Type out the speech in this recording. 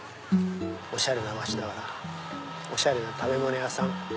おしゃれな街だからおしゃれな食べ物屋さん